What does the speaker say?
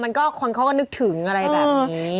คนเขาก็นึกถึงอะไรแบบนี้